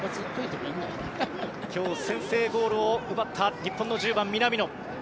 今日、先制ゴールを奪った日本の１０番、南野。